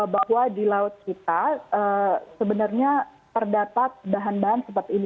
bahwa di laut kita sebenarnya terdapat bahan bahan seperti ini